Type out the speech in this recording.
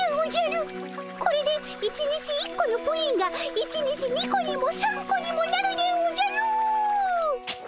これで１日１個のプリンが１日２個にも３個にもなるでおじゃる！